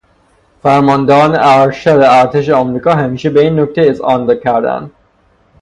فرماندهان ارشد ارتش آمریکا همیشه به این نکته اذعان کرده اند.